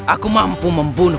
aku mampu membunuh